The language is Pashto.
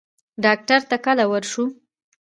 ډاکټر ته کله ورشو؟